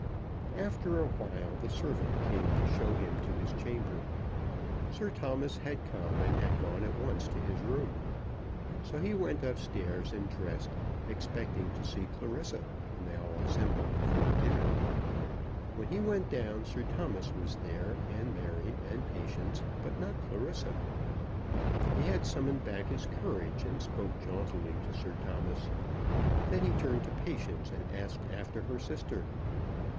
After a while the servant came to show him to his chamber. Sir Thomas had come and had gone at once to his room. So he went up stairs and dressed, expecting to see Clarissa when they all assembled before dinner. When he went down, Sir Thomas was there, and Mary, and Patience, but not Clarissa. He had summoned back his courage and spoke jauntily to Sir Thomas. Then he turned to Patience and asked after her sister.